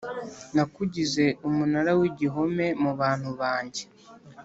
Nakugize umunara n igihome mu bantu banjye